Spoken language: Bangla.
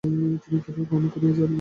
তিনি কেবল কর্ম করিয়া যান।